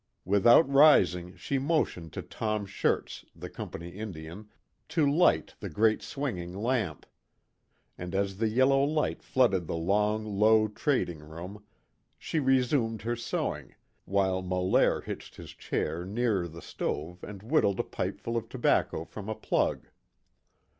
Without rising she motioned to Tom Shirts, the Company Indian, to light the great swinging lamp. And as the yellow light flooded the long, low trading room, she resumed her sewing, while Molaire hitched his chair nearer the stove and whittled a pipeful of tobacco from a plug.